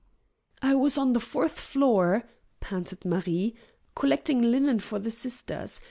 "I was on the fourth floor," panted Marie, "collecting linen for the Sisters.